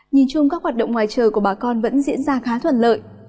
nhìn chung các hoạt động ngoài trời của bà con vẫn diễn ra khá thuận lợi